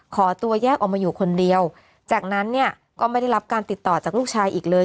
ขอตัวแยกออกมาอยู่คนเดียวจากนั้นเนี่ยก็ไม่ได้รับการติดต่อจากลูกชายอีกเลย